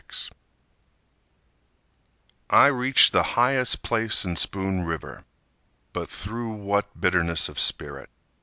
Calhoun I reached the highest place in Spoon River, But through what bitterness of spirit!